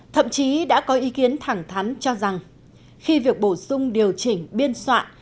thậm chí đã có ý kiến thẳng thắn cho rằng khi việc bổ sung điều chỉnh biên soạn